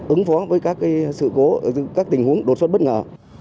ứng phó với các tình huống đột xuất bất ngờ